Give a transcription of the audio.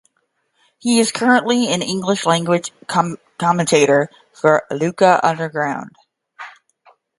He is currently an English language commentator for Lucha Underground.